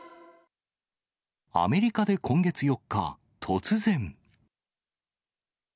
アメリカで今月４日、突然。